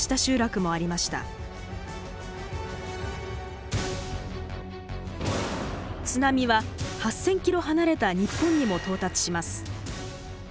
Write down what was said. その津波は８，０００キロ離れた日本にも到達します。